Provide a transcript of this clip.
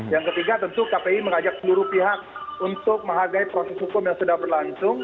yang ketiga tentu kpi mengajak seluruh pihak untuk menghargai proses hukum yang sudah berlangsung